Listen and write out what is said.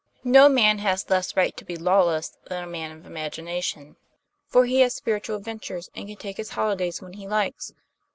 No man has less right to be lawless than a man of imagination. For he has spiritual adventures, and can take his holidays when he likes.